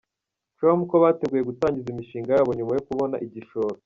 com ko biteguye gutangiza imishinga yabo nyuma yo kubona igishoro.